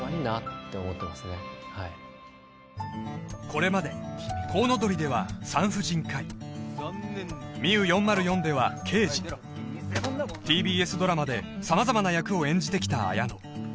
これまで「コウノドリ」では産婦人科医「ＭＩＵ４０４」では刑事ＴＢＳドラマで様々な役を演じてきた綾野